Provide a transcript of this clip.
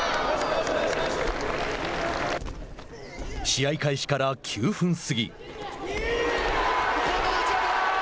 試合開始から９分過ぎ。